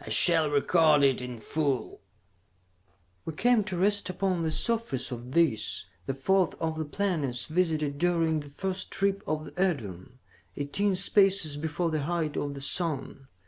I shall record it in full: "We came to rest upon the surface of this, the fourth of the planets visited during the first trip of the Edorn, eighteen spaces before the height of the sun.